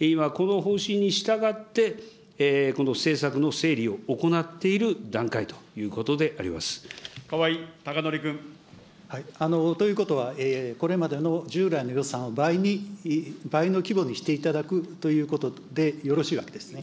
今、この方針に従って、この政策の整理を行っている段階ということで川合孝典君。ということは、これまでの従来の予算を倍に、倍の規模にしていただくということで、よろしいわけですね。